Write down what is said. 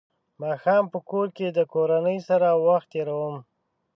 ماښام په کور کې د کورنۍ سره وخت تېروم.